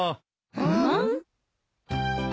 うん？